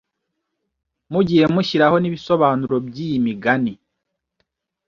mugiye mushyiraho n’ibisobanuro by’iyi migani